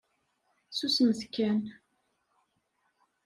Susmet kan.